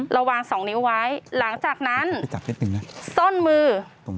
เราวางสองนิ้วไว้หลังจากนั้นส้นมือ